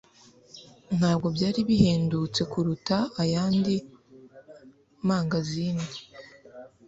Ntabwo byari bihendutse kuruta ayandi mangazini.